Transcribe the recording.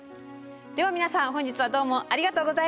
では皆さん本日はどうもありがとうございました。